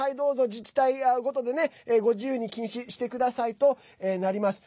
自治体ごとでねご自由に禁止してくださいとなります。